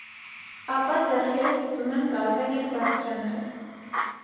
Ապա ձեռքերը սկսում են ծալվել և բարձրանալ։